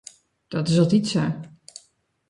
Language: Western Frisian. Dat is altyd sa.